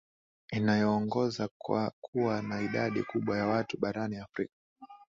inayoongoza kwa kuwa na idadi kubwa ya watu barani afrika